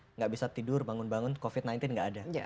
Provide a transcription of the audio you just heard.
tidak bisa tidur bangun bangun covid sembilan belas nggak ada